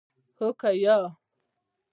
هو که یا ؟